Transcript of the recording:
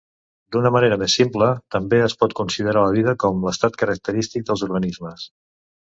D'una manera més simple, també es pot considerar la vida com l'estat característic dels organismes.